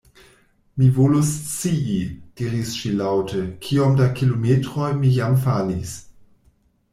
"Mi volus scii," diris ŝi laŭte, "kiom da kilometroj mi jam falis."